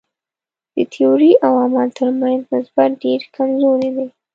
د تیورۍ او عمل تر منځ نسبت ډېر کمزوری دی.